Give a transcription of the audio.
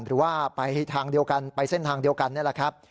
หรือว่าไปทางเดียวกันไปเส้นทางเดียวกันนี่แหละครับ